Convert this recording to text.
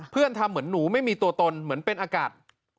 ทำเหมือนหนูไม่มีตัวตนเหมือนเป็นอากาศ